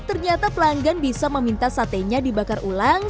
ternyata pelanggan bisa meminta satenya dibakar ulang